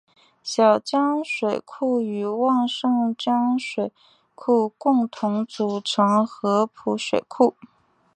小江水库与旺盛江水库共同组成合浦水库。